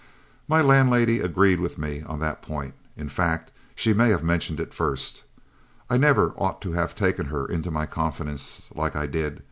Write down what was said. My landlady agreed with me on that point; in fact, she may have mentioned it first. I never ought to have taken her into my confidence like I did.